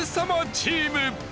チーム。